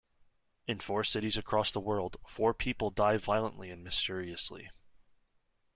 In four cities across the world, four people die violently and mysteriously.